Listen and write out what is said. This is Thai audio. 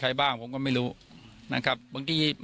ลุงพลบอกว่ามันก็เป็นการทำความเข้าใจกันมากกว่าเดี๋ยวลองฟังดูค่ะ